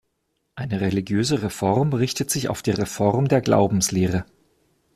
Eine religiöse Reform richtet sich auf die Reform der Glaubenslehre.